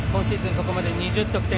ここまで２０得点。